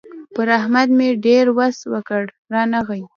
پر احمد مې ډېر وس وکړ؛ رانغی.